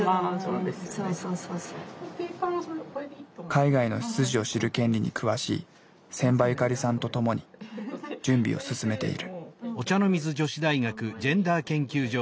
海外の出自を知る権利に詳しい仙波由加里さんと共に準備を進めている。